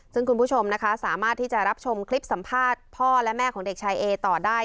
ซึ่งคุณผู้ชมนะคะสามารถที่จะรับชมคลิปสัมภาษณ์พ่อและแม่ของเด็กชายเอต่อได้